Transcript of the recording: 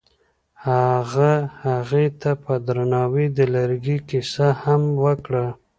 هغه هغې ته په درناوي د لرګی کیسه هم وکړه.